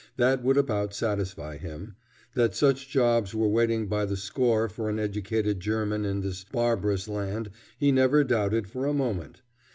That would about satisfy him. That such jobs were waiting by the score for an educated German in this barbarous land he never doubted for a moment.